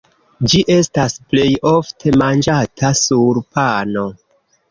Ĝi estas plej ofte manĝata sur pano.